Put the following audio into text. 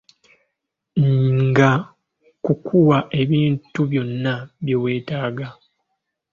Nga kukuwa ebintu byonna bye weetaaga.